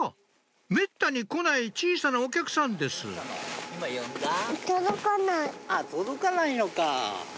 めったに来ない小さなお客さんですあっ届かないのか。